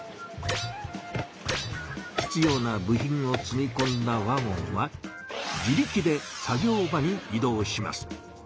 必要な部品を積みこんだワゴンは自力で作業場にい動します。